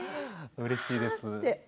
うれしいです。